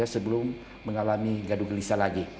sebelum mengalami gaduh gelisah lagi